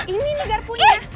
ini nih garpunya